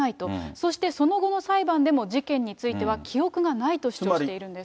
そしてその後の裁判でも、事件については記憶がないと主張しているんです。